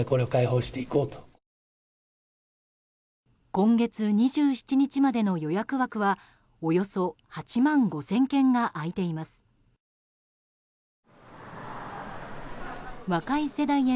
今月２７日までの予約枠はおよそ８万５０００件が空いています。